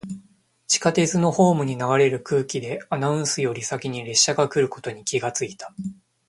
地下鉄のホームに流れる空気で、アナウンスより先に列車が来ることに気がついた。